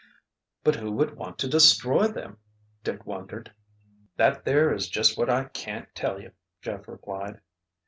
"But who would want to destroy them?" Dick wondered. "That there is just what I can't tell you," Jeff replied.